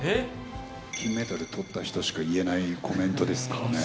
金メダルとった人しか言えないコメントですからね。